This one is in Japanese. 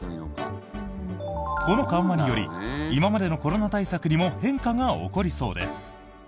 この緩和により今までのコロナ対策にも変化が起こりそうです。